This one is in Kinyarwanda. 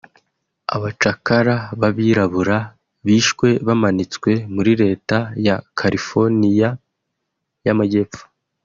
Abacakara b’abirabura bishwe bamanitswe muri Leta ya Carolina y’amajyepfo